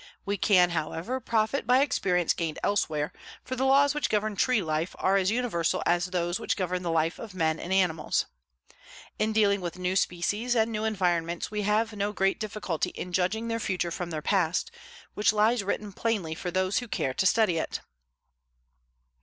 We can, however, profit by experience gained elsewhere, for the laws which govern tree life are as universal as those which govern the life of men and animals. In dealing with new species and new environments we have no great difficulty in judging their future from their past, which lies written plainly for those who care to study it.